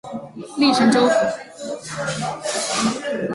隶辰州府。